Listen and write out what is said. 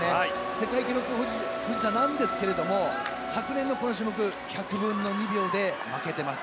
世界記録保持者ですが昨年のこの種目１００分の２秒で負けています。